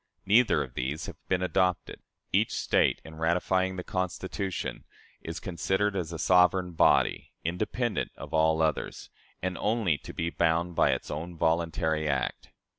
Neither of these has been adopted. Each State, in ratifying the Constitution, is considered as a sovereign body, independent of all others, and only to be bound by its own voluntary act."